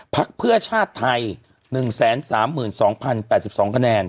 พักเพื่อชาติไทย๑๓๒๐๘๒คะแนน